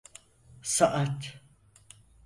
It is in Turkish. Saat…